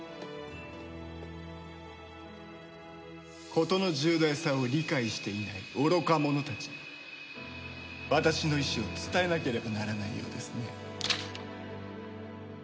ことの重大さを理解していない愚か者たちに私の意思を伝えなければならないようですね。